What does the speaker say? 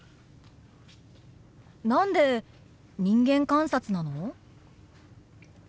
何で人間観察なの？